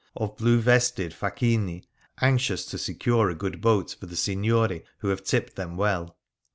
of blue vested faccliini, anxious to secure a good boat for the sigmori who have tipped them well.